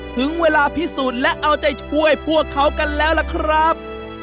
ถึงเวลาพิสูจน์และเอาใจช่วยพวกเขากันแล้วล่ะครับ